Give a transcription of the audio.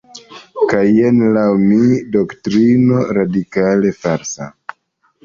Kaj jen, laŭ mi, doktrino radikale falsa"".